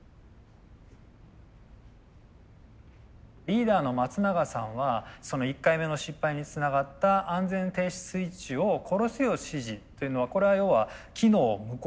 リーダーの松永さんは１回目の失敗につながった安全停止スイッチを殺すよう指示というのはこれは要は機能を無効化させることですよね。